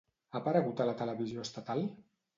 Ha aparegut a la televisió estatal?